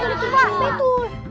itu itu pak itu